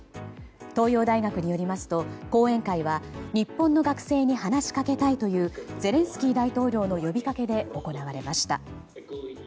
東洋大学によりますと講演会は日本の学生に話しかけたいというゼレンスキー大統領の呼びかけで行われました。